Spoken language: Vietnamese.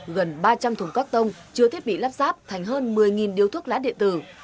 gần ba trăm linh thùng các tông chứa thiết bị lắp sáp thành hơn một mươi điếu thuốc lá điện tử